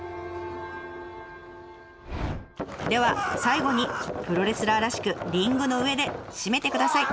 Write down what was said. では最後にプロレスラーらしくリングの上で締めてください！